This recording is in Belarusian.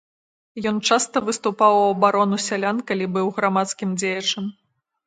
Ён часта выступаў у абарону сялян, калі быў грамадскім дзеячам.